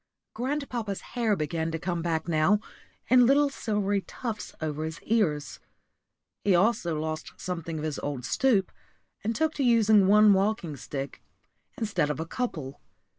Grandpapa's hair began to come back now, in little silvery tufts over his ears. He also lost something of his old stoop, and took to using one walking stick instead of a couple.